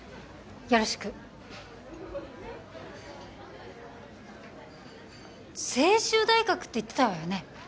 よろしく成修大学って言ってたわよね